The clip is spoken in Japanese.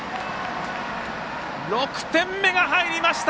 ６点目が入りました！